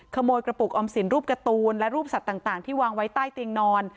กระปุกออมสินรูปการ์ตูนและรูปสัตว์ต่างที่วางไว้ใต้เตียงนอน